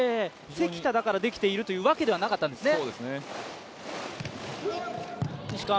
関田だからできているというわけではなかったんですね。